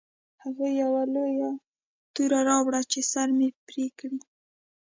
هغوی یوه لویه توره راوړه چې سر مې پرې کړي